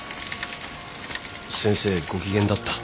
先生ご機嫌だった。